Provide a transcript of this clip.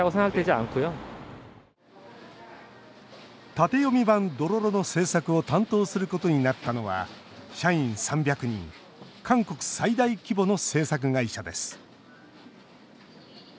縦読み版「どろろ」の制作を担当することになったのは社員３００人韓国最大規模の制作会社です